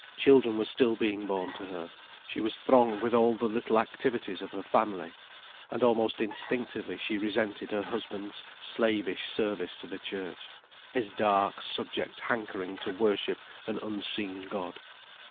Children were still being born to her, she was throng with all the little activities of her family. And almost instinctively she resented her husband's slavish service to the Church, his dark, subject hankering to worship an unseen God.